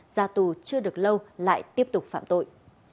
ra tù chưa được lâu lại tiếp tục phạm tội